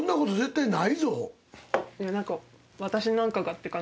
・いや何か。